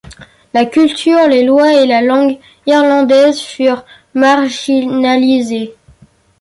La culture, les lois et la langue irlandaises furent marginalisées.